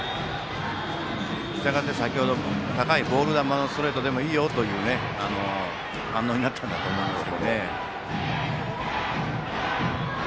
したがって先程、高いボール球のストレートでもいいよという反応になったんだと思います。